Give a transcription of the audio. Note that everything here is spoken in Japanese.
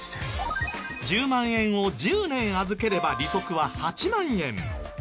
１０万円を１０年預ければ利息は８万円。